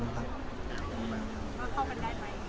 เข้ากันได้ไหม